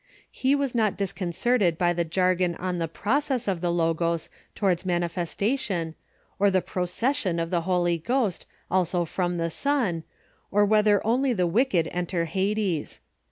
He was not disconcerted by the jargon on the 2^^'ocess of the Logos tow ards manifestation, or the procession of the Holy (irhost also from the Son, or Avhether only the wicked enter Hades.